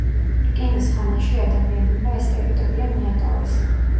რკინის ხანაში ადამიანებმა ეს ტერიტორია მიატოვეს.